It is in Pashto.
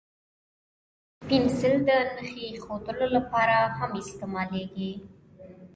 پنسل د نښې اېښودلو لپاره هم استعمالېږي.